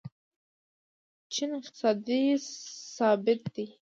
چین اقتصادي ثبات ته پام کوي.